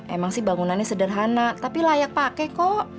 emang sih bangunannya sederhana tapi layak pakai kok